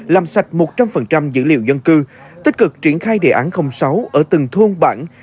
làm sạch một trăm linh dữ liệu dân cư tích cực triển khai đề án sáu ở từng thôn bản